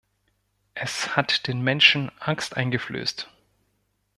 Es hat den Menschen Angst eingeflößt.